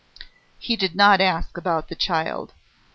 He did not ask about the child.